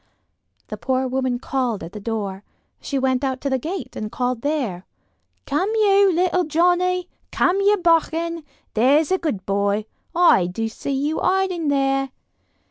The poor woman called at the door. She went out to the gate and called there: "Come you, little Johnnie. Come you, bachgen, there's a good boy. I do see you hiding there."